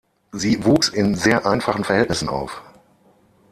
Sie wuchs in sehr einfachen Verhältnissen auf.